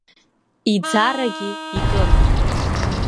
Иӡарагьы икын!